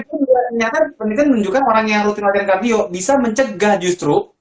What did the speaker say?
ternyata penelitian menunjukkan orang yang rutin latihan kardio bisa mencegah justru